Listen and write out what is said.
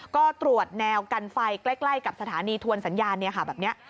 ก็ตรวจแนวกันไฟใกล้กับสถานีทวนสัญญาณแบบนี้